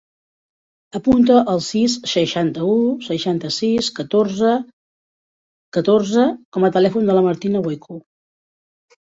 Apunta el sis, seixanta-u, seixanta-sis, catorze, catorze com a telèfon de la Martina Voicu.